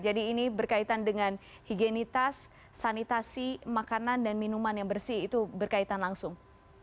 jadi ini berkaitan dengan higienitas sanitasi makanan dan minuman yang bersih itu berkaitan langsung